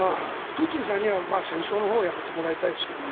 プーチンさんには戦争のほうをやめてもらいたいですけどね。